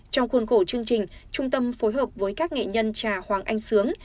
trong khuôn khổ chương trình trung tâm phối hợp với các nghệ nhân trà hoàng anh sướng